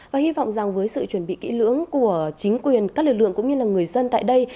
và hy vọng rằng với sự chuẩn bị kỹ lưỡng của chính quyền các lực lượng cũng như là người dân tại đây